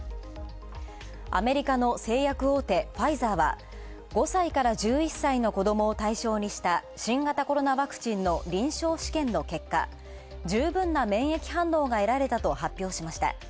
アメリカの製薬大手、ファイザーは５歳から１１歳の子供を対象にした新型コロナワクチンの臨床試験の結果、十分な免疫反応が得られたと発表しました。